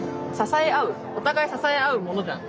お互い支え合うものじゃん。